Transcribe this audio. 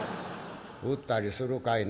「売ったりするかいな。